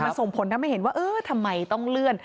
มันส่งผลทำให้เห็นว่าเออทำไมต้องเลื่อน